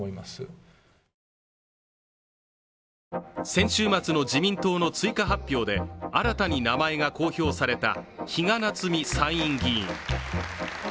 先週末の自民党の追加発表で新たに名前が公表された比嘉奈津美参院議員。